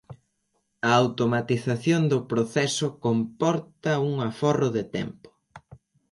A automatización do proceso comporta un aforro de tempo.